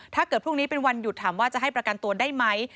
ถ้าเกิดพรุ่งนี้เป็นวันหยุดถามว่าจะให้ประกันตัวได้ไหม